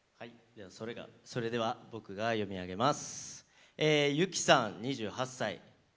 それでは僕が読み上げます。